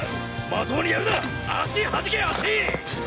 まともにやるな足はじけ足！